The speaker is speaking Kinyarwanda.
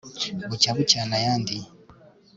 bucya bucyana ayandi